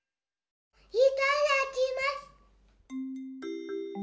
いただきます！